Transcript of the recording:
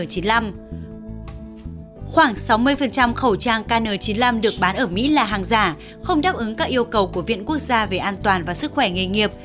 khoảng sáu mươi khẩu trang kn chín mươi năm được bán ở mỹ là hàng giả không đáp ứng các yêu cầu của viện quốc gia về an toàn và sức khỏe nghề nghiệp